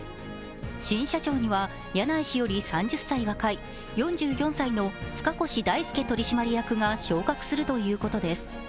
新社長には、柳井氏より３０歳若い、４４歳の塚越大介取締役が昇格するということです。